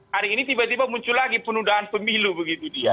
hari ini tiba tiba muncul lagi penundaan pemilu begitu dia